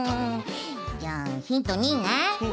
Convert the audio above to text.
じゃあヒント２ね。